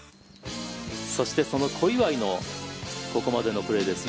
そして、その小祝のここまでのプレーです。